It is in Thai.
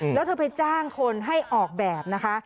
แล้วเธอไปจ้างคนให้ออกแบบนะคะ